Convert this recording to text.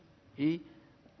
tiga saksi yohan i